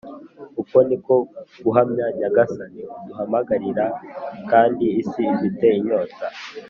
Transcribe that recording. uko ni ko guhamya nyagasani aduhamagarira kandi isi ifitiye inyota